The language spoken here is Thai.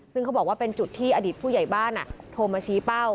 ซึ่งเขาบอกว่าเป็นจุดที่อดีตผู้ใหญ่บ้านโทรมาชี้เป้า